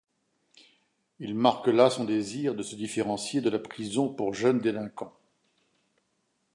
Il marque là son désir de se différencier de la prison pour jeunes délinquants.